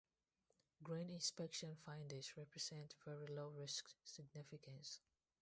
Green inspection findings represent very low risk significance.